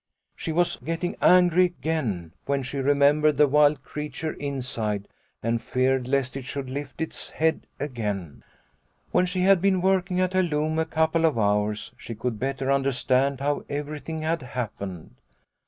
She was getting angry again when she remembered the wild creature inside and feared lest it should lift its head again. Snow White 55 " When she had been working at her loom a couple of hours, she could better understand how everything had happened.